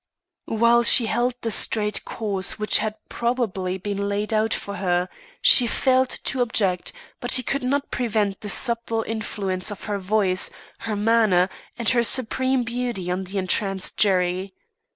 While she held the straight course which had probably been laid out for her, he failed to object; but he could not prevent the subtle influence of her voice, her manner, and her supreme beauty on the entranced jury.